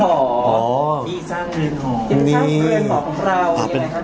สร้างเรียนหอ